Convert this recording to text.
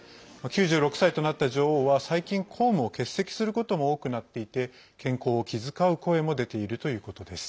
９６歳となった女王は最近、公務を欠席することも多くなっていて健康を気遣う声も出ているということです。